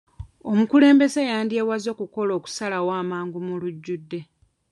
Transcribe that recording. Omukulembeze yandyewaze okukola okusalawo amangu mu lujjudde.